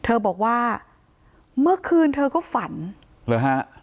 เธอบอกว่าเมื่อคืนเธอก็ฝันเหรอฮะ